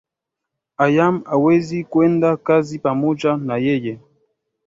hayam hawezi kwenda kazi pamoja na yeye